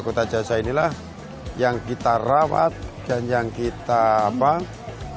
kota jasa inilah yang kita rawat dan yang kita apa